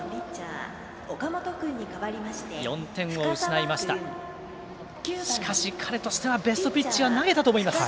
４点を失いました。